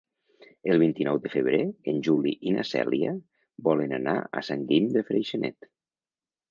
El vint-i-nou de febrer en Juli i na Cèlia volen anar a Sant Guim de Freixenet.